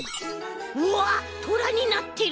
うわっトラになってる！